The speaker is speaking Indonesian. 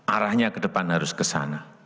arahnya ke depan harus ke sana